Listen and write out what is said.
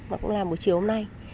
mà cũng là buổi chiều hôm nay